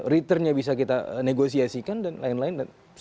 returnnya bisa kita negosiasikan dan lain lain